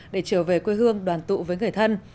để trở về quê hương đoàn tụ với người thân